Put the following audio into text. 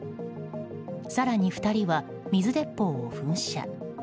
更に、２人は水鉄砲を噴射。